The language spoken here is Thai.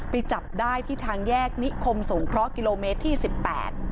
ไปจับได้ที่ทางแยกนิคมสงเคราะห์กิโลเมตรที่สิบแปด